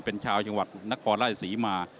เป็นชาวจังหวัดนครราชศรีมา